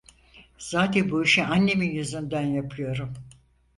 Zaten bu işi annemin yüzünden yapıyorum.